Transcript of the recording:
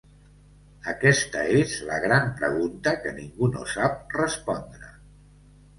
Aquesta és la gran pregunta que ningú no sap respondre.